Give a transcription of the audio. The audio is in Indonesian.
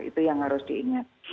itu yang harus diingat